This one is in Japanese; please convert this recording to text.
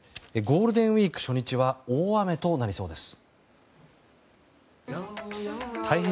ゴールデンウィーク初日は大雨となりそうです。